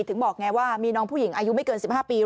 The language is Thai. ถึงบอกไงว่ามีน้องผู้หญิงอายุไม่เกิน๑๕ปี